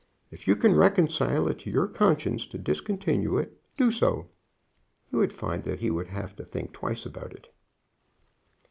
If you can reconcile it to your conscience to discontinue it, do so.' You would find that he would have to think twice about it."